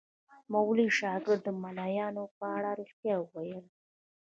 مولوي شاکر د ملایانو په اړه ریښتیا ویل.